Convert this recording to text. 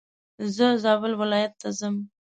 زه زابل ولايت ته ځم.